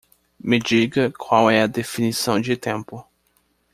Me diga qual é definição de tempo.